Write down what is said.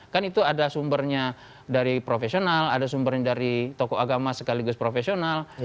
kan itu ada sumbernya dari profesional ada sumbernya dari tokoh agama sekaligus profesional